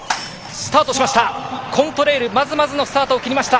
スタートしました。